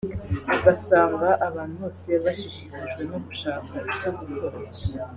ugasanga abantu bose bashishikajwe no gushaka icyo gukora